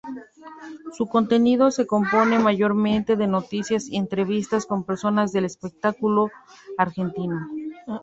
Su contenido se compone mayormente de noticias y entrevistas con personas del espectáculo argentino.